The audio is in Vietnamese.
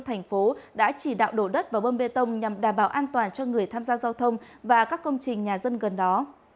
thành phố đã chỉ đạo đổ đất vào bơm bê tông nhằm đảm bảo an toàn cho người tham gia giao thông và các công trình nhà dân gần đó